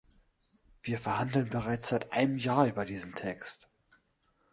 Wir verhandeln bereits seit einem Jahr über diesen Text.